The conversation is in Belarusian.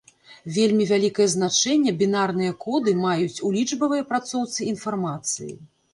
Вельмі вялікае значэнне бінарныя коды маюць у лічбавай апрацоўцы інфармацыі.